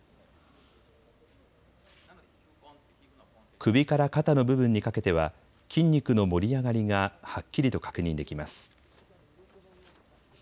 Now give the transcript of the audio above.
首から肩の部分にかけては筋肉の盛り上がりがはっきりと確認できます。